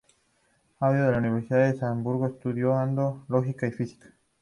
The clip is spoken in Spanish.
Acudió a la Universidad de Salzburgo, estudiando lógica y física.